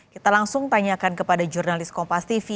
kita langsung tanyakan kepada jurnalis kompas tv